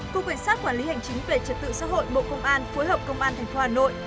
cục quyền sát quản lý hành chính về trật tự xã hội bộ công an phối hợp công an tp hà nội